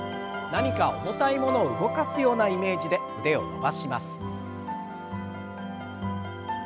何か重たいものを動かすようなイメージで腕を伸ばします。